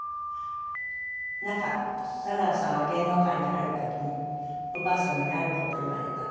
なんか佐良さんは芸能界に入る時におばあ様にある事を言われた。